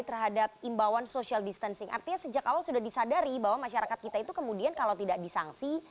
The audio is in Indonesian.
terhadap imbauan social distancing artinya sejak awal sudah disadari bahwa masyarakat kita itu kemudian kalau tidak disangsi